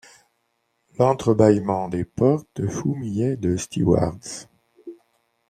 L’entre-bâillement des portes fourmillait de stewards.